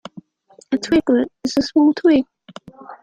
A twiglet is a small twig.